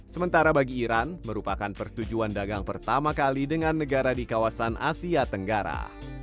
sementara bagi iran merupakan persetujuan dagang pertama kali dengan negara di kawasan asia tenggara